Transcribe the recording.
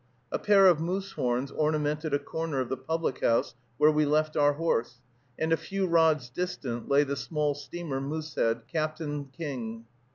A pair of moose horns ornamented a corner of the public house where we left our horse, and a few rods distant lay the small steamer Moosehead, Captain King.